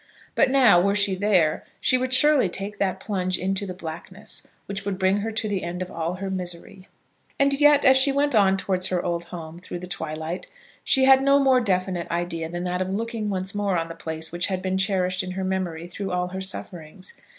But now, were she there, she would surely take that plunge into the blackness, which would bring her to the end of all her misery! And yet, as she went on towards her old home, through the twilight, she had no more definite idea than that of looking once more on the place which had been cherished in her memory through all her sufferings.